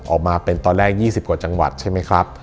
ออกมาเป็นตอนแรก๒๐กว่าจังหวัดใช่ไหมครับ